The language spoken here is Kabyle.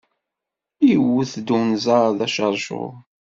Iwet-d unẓar d aceṛcuṛ.